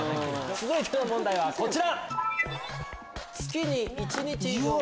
続いての問題はこちら！